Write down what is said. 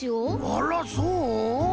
あらそう？